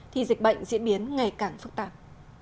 thì dịch bệnh diễn biến ngày càng phức tạp